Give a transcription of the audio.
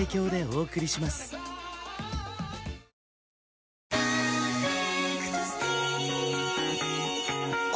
「パーフェクトスティック」